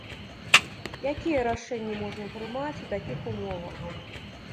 Якія рашэнні можна прымаць у такіх умовах?